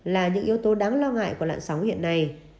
là những yếu tố đáng lo ngại của lãn sóng hiện nay